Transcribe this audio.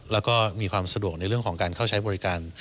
แล้วก็มีความสะดวกในเรื่องของการเข้าใช้บริการ